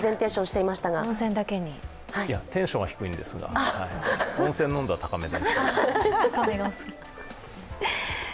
いや、テンションは低いんですが、温泉の温度は高めで。